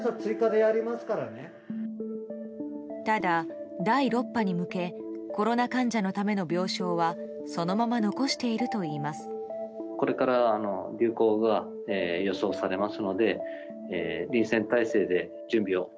ただ第６波に向けコロナ患者のための病床はそのまま残しているといいます。